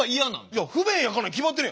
いや不便やからに決まってやん。